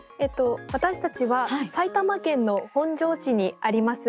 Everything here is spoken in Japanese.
私たちは埼玉県の本庄市にあります